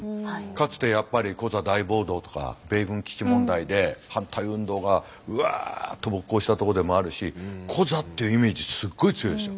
かつてやっぱりコザ大暴動とか米軍基地問題で反対運動がうわっと勃興したとこでもあるしコザっていうイメージすっごい強いですよ。